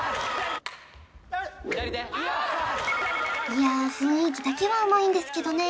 いや雰囲気だけはうまいんですけどね・